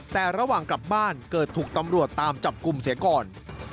แต่ระหว่างกลับบ้านเกิดถูกตำรวจตามจับกลุ่มเสียก่อน